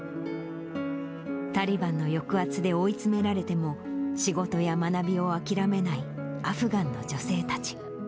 タリバンの抑圧で追い詰められても、仕事や学びを諦めないアフガンの女性たち。